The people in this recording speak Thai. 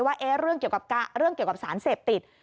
ว่าเรื่องเกี่ยวกับเรื่องเกี่ยวกับสารเสพติด